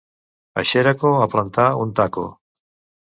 A Xeraco, a plantar un «taco».